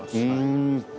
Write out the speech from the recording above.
うん。